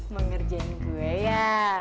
mau ngerjain gue ya